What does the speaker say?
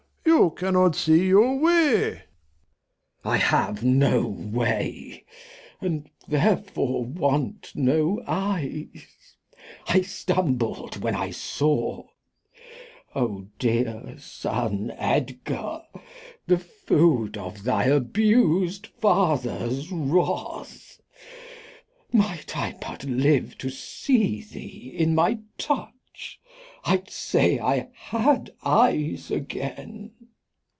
Old M. You cannot see your Way. Glost. I have no Way, and therefore want no Eyes, I stumbled when I saw : O dear Son Edgar, The Food of thy abused Father's Wrath, Might I but Uve to see thee in my Touch, I'd say, I had Eyes agen.